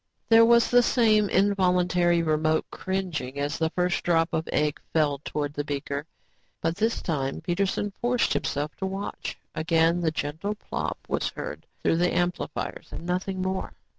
There was the same involuntary remote cringing as the first drop of egg fell towards the beaker, but this time, Peterson forced himself to watch. Again the gentle plop was heard through the amplifiers and nothing more.